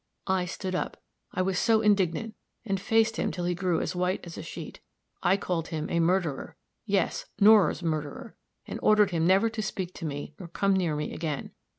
I stood up, I was so indignant, and faced him till he grew as white as a sheet. I called him a murderer yes, Nora's murderer and ordered him never to speak to me nor come near me again.